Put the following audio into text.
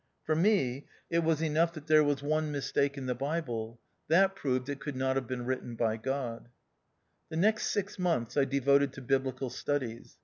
For me it was io4 THE OUTCAST. enough that there was one mistake in the Bible ; that proved it could not have been written by God. The next six months I devoted to biblical studies.